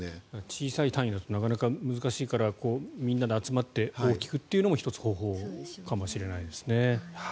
小さい単位だとなかなか難しいからみんなで集まって大きくというのも１つ、方法かもしれないですね。